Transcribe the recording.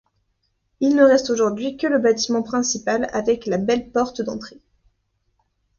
Il ne reste aujourd’hui que le bâtiment principal avec la belle porte d’entrée.